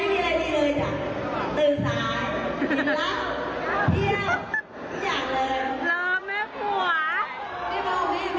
ลูกสะพัยไม่มีอะไรดีเลยจ้ะ